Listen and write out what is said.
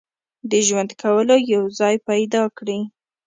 د ژوند کولو یو ځای پیدا کړي.